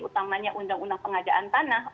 utamanya undang undang pengadaan tanah